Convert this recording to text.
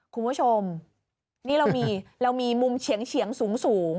คุณผู้ชมนี่เรามีเรามีมุมเฉียงสูง